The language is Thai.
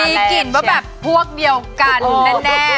มีกลิ่นว่าแบบพวกเดียวกันแน่